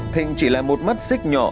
thịnh chỉ là một mắt xích nhỏ